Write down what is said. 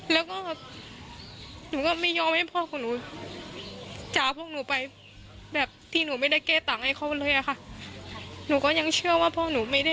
แต่ไม่มีทางที่หนูจะให้อภัยเขาเหตุขาด